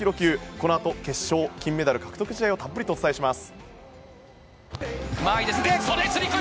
このあと決勝金メダル獲得試合をたっぷりとお伝えします。